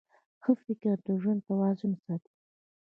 ښه فکر د ژوند توازن ساتي.